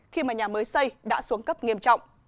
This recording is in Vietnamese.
khi mà nhà mới xây đã xuống cấp nghiêm trọng